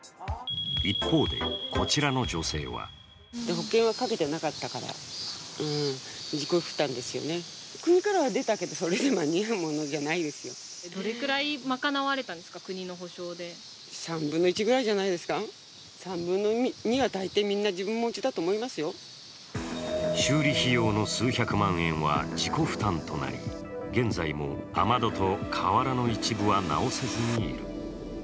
一方でこちらの女性は修理費用の数百万円は自己負担となり、現在も雨戸と瓦の一部は直せずにいる。